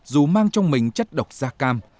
dù mang trong mình chất độc da cam